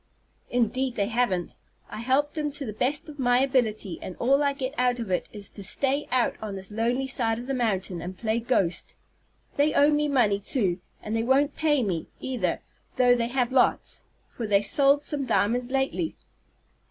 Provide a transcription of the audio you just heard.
"Indeed they haven't. I helped 'em to the best of my ability, and all I get out of it is to stay out on this lonely side of the mountain, and play ghost. They owe me money, too, and they won't pay me, either, though they have lots, for they sold some diamonds lately."